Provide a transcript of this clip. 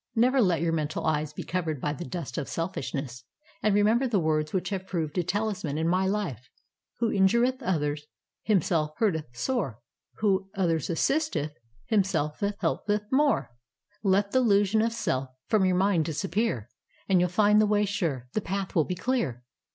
Never let your mental eyes be covered by the dust of selfishness, and remember the words which have proved a taHsman in my Uf e :— 'WTio injureth others Himself hurteth sore. \Mio others assisteth Himself helpeth more. 62 KARMA: A STORY OF BUDDHIST ETHICS Let th' illusion of self From your mind disappear: And you'll find the way sure; The path will be clear.'